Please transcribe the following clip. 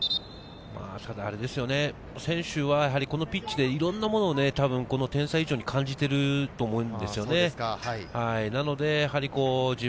選手はこのピッチでいろんなものをこの点差以上に感じていると思うんですよね。